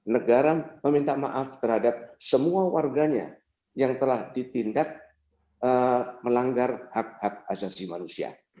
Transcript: negara meminta maaf terhadap semua warganya yang telah ditindak melanggar hak hak asasi manusia